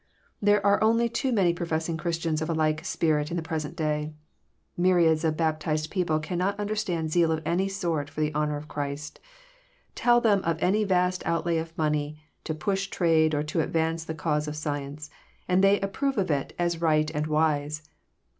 There are only too many professing Christians of a l&e spirit in the present day. Myriads of baptized people cannot understand zeal of any sort for the honour of Christ. Tell them of any vast outlay of money to push trade or to advance the cause of science, and they approve of it as right and wise.